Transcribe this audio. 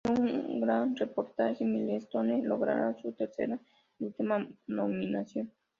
Con "Un gran reportaje", Milestone lograría su tercera y última nominación.